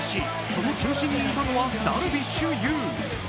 その中心にいたのはダルビッシュ有。